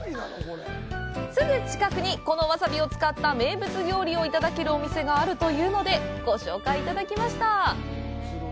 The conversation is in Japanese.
すぐ近くに、このわさびを使った名物料理をいただけるお店があるというのでご紹介いただきました。